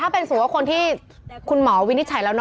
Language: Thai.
ถ้าเป็นสมมุติว่าคนที่คุณหมอวินิจฉัยแล้ว